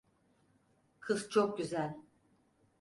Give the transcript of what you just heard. Kız çok güzel.